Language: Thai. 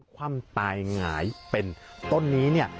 คว่ำตายหงายเป็นต้นนี้เนี่ย